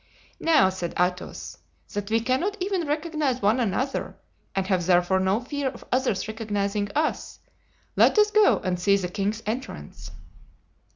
"Now," said Athos, "that we cannot even recognize one another and have therefore no fear of others recognizing us, let us go and see the king's entrance."